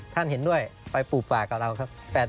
ท่านเห็นด้วยไปปลูกป่ากับเราครับ